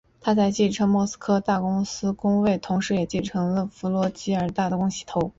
他在继承莫斯科大公公位同时也继承了弗拉基米尔大公的头衔。